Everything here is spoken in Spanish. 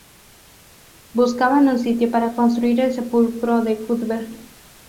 Buscaban un sitio para construir el sepulcro de Cuthbert.